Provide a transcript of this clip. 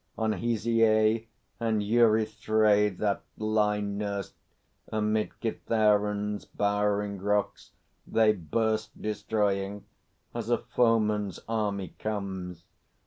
On Hysiae and Erythrae that lie nursed Amid Kithaeron's bowering rocks, they burst Destroying, as a foeman's army comes.